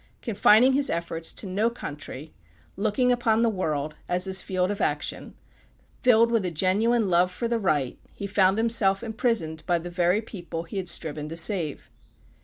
Confining his efforts to no country, looking upon the world as his field of action, filled with a genuine love for the right, he found himself imprisoned by the very people he had striven to save.